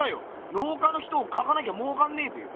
農家の人を描かなきゃもうかんねえべよ。